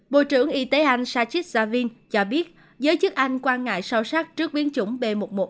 bộ trưởng y tế anh sachit javin cho biết giới chức anh quan ngại sâu sắc trước biến chủng b một một năm trăm hai mươi chín